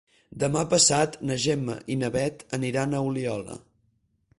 Demà passat na Gemma i na Bet aniran a Oliola.